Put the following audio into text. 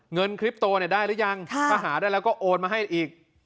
เงินคลิปโตเนี่ยได้หรือยังถ้าหาได้แล้วก็โอนมาให้อีก